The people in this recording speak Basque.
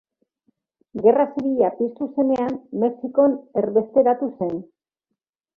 Gerra Zibila piztu zenean, Mexikon erbesteratu zen.